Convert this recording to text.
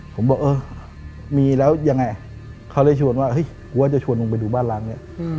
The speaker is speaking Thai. ผมบอกเออมีแล้วยังไงเขาเลยชวนว่าเฮ้ยกูว่าจะชวนลุงไปดูบ้านล้างเนี่ย